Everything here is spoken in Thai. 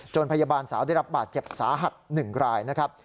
พยาบาลสาวได้รับบาดเจ็บสาหัส๑รายนะครับ